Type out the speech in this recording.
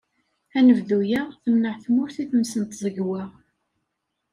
Anebdu-a, temneε tmurt i tmes n tẓegwa.